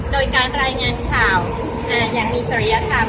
โดยการรายงานข่าวอย่างมีจริยธรรม